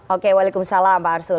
oke waalaikumsalam pak arsul